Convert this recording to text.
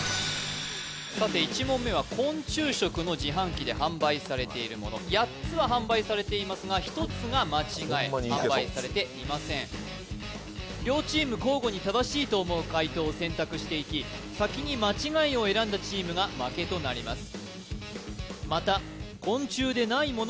さて１問目は昆虫食の自販機で販売されているもの８つは販売されていますが１つが間違い販売されていませんホンマにいけそう両チーム交互に正しいと思う解答を選択していき先に間違いを選んだチームが負けとなります